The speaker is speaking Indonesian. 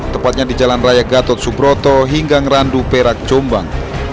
tepatnya di jalan raya gatot subroto hingga ngerandu perak jombang